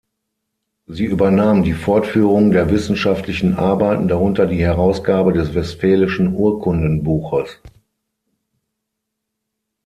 Sie übernahm die Fortführung der wissenschaftlichen Arbeiten, darunter die Herausgabe des Westfälischen Urkundenbuches.